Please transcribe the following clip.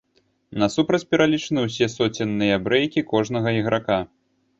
Насупраць пералічаны ўсе соценныя брэйкі кожнага іграка.